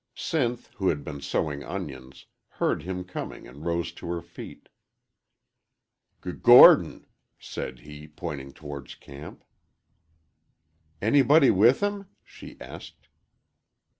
Sinth, who had been sowing onions, heard him coming and rose to her feet. "G Gordon!" said he, pointing towards camp. "Anybody with him?" she asked..